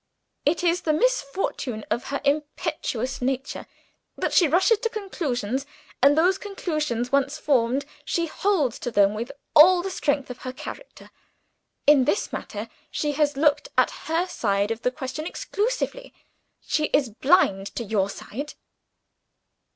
It is the misfortune of her impetuous nature that she rushes to conclusions and those conclusions once formed, she holds to them with all the strength of her character. In this matter, she has looked at her side of the question exclusively; she is blind to your side."